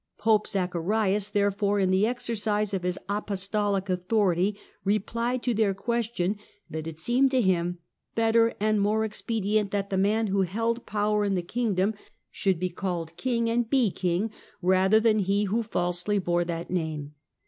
Pope Zacharias therefore in the exercise of his apostolical authority replied to their ques tion that it seemed to him better and more expedient that the man who held power in the kingdom should be PIPPIN, KING OF THK FRANKS 117 called king and be king, rather than he who falsely bore that name.